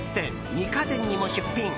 二科展にも出品。